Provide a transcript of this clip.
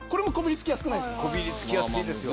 こびりつきやすいですよ。